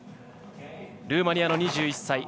ルーマニアの２１歳。